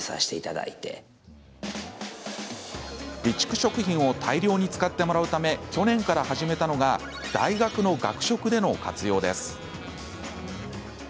備蓄食品を大量に使ってもらうため去年から始めたのが大学の学食での活用です。